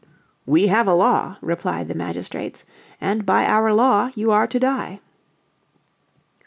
"We have a law," replied the magistrates, "and by our law you are to die."